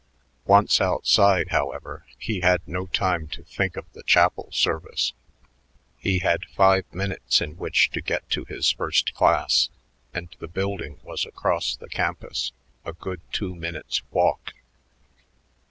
Once outside, however, he had no time to think of the chapel service; he had five minutes in which to get to his first class, and the building was across the campus, a good two minutes' walk.